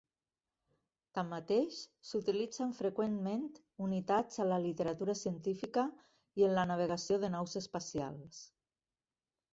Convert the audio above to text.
Tanmateix, s'utilitzen freqüentment unitats a la literatura científica i en la navegació de naus espacials.